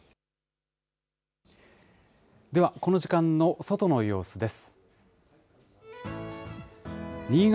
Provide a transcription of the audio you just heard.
では、この時間の外の様子です。